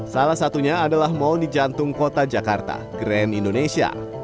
salah satunya adalah mal di jantung kota jakarta grand indonesia